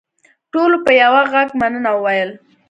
ټولو په یوه غږ مننه وویل.